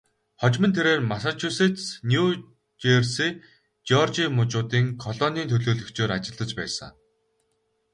Хожим нь тэрээр Массачусетс, Нью Жерси, Жеоржия мужуудын колонийн төлөөлөгчөөр ажиллаж байсан.